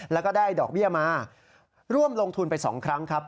แล้วก็ได้ดอกเบี้ยมาร่วมลงทุนไป๒ครั้งครับ